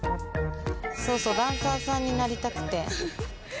そうそうダンサーさんになりたくて。